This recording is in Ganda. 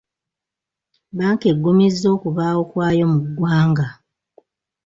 Bbanka eggumizza okubaawo kwayo mu ggwanga.